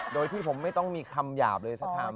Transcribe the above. โดยที่ผมไม่ต้องมีคำหยาบเลยสักคำ